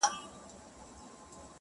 لا تر څو به دي قسمت په غشیو ولي!